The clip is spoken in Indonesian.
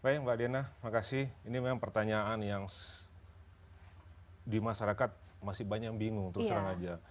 baik mbak diana makasih ini memang pertanyaan yang di masyarakat masih banyak yang bingung terus terang aja